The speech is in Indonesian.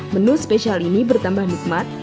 menu spesial ini bertambah nikmat